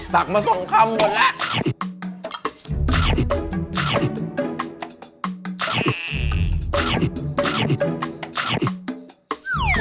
ักมาสองคำหมดแล้ว